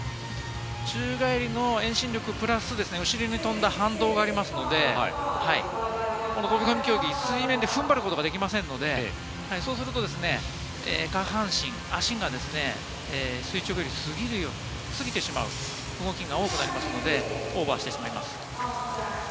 宙返りの遠心力プラス、後ろに飛んだ反動がありますので、水面で踏ん張ることができませんので、そうすると、下半身、足が垂直よりもすぎるように、すぎる動きになってしまうので、オーバーしてしまいます。